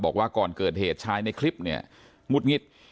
บอกว่าก่อนเกิดเหตุชายในคลิปเนี่ยงุดงิด